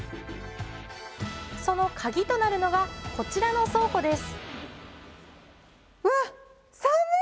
そのカギとなるのがこちらの倉庫です